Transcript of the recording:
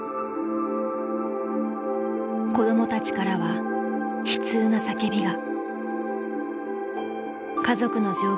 子どもたちからは悲痛な叫びが。